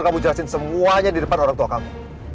kamu jelasin semuanya di depan orang tua kamu